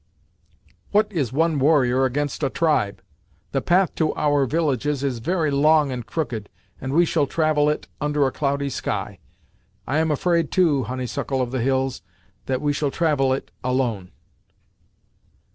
"What is one warrior against a tribe? The path to our villages is very long and crooked, and we shall travel it under a cloudy sky. I am afraid, too, Honeysuckle of the Hills, that we shall travel it alone!"